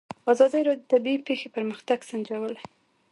ازادي راډیو د طبیعي پېښې پرمختګ سنجولی.